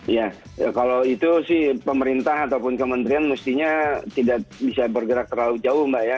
ya kalau itu sih pemerintah ataupun kementerian mestinya tidak bisa bergerak terlalu jauh mbak ya